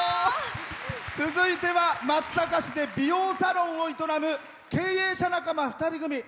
続いては松阪市で美容サロンを営む経営者仲間２人組。